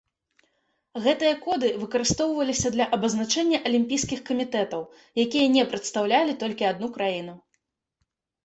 Гэтыя коды выкарыстоўваліся для абазначэння алімпійскіх камітэтаў, якія не прадстаўлялі толькі адну краіну.